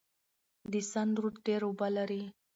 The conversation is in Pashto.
د سند رود ډیر اوبه لري.